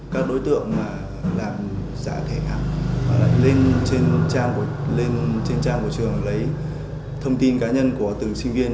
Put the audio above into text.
các đối tượng làm giả thẻ học lên trên trang của trường lấy thông tin cá nhân của từng sinh viên